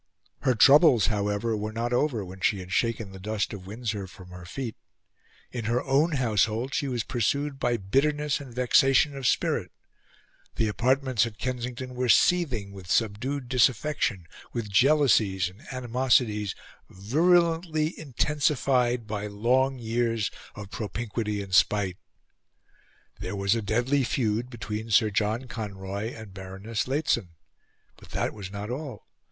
Her troubles, however, were not over when she had shaken the dust of Windsor from her feet. In her own household she was pursued by bitterness and vexation of spirit. The apartments at Kensington were seething with subdued disaffection, with jealousies and animosities virulently intensified by long years of propinquity and spite. There was a deadly feud between Sir John Conroy and Baroness Lehzen. But that was not all.